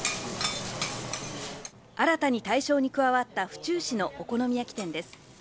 新たに対象に加わった府中市のお好み焼き店です。